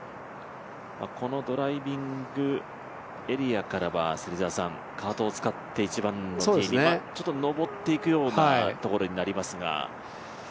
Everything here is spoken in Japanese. このドライビングエリアからは、カートを使って１番のティーに上っていくところになりますが。